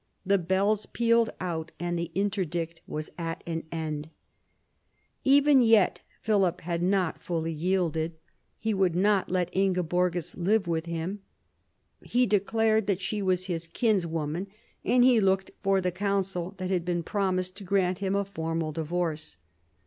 The bells pealed out, and the interdict was at an end. Even yet Philip had not fully yielded. He would 170 PHILIP AUGUSTUS chap. not let Ingeborgis live with him. He declared that she was his kinswoman, and he looked for the council that had been promised to grant him a formal divorce.